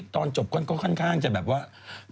ตอนจบก็ค่อนข้างจะแบบว่า